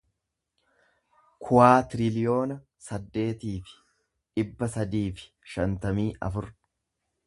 kuwaatiriliyoona saddeetii fi dhibba sadii fi shantamii afur